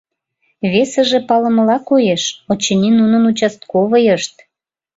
Весыже палымыла коеш: очыни, нунын участковыйышт.